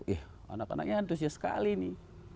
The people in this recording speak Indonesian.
ya anak anaknya antusias sekali nih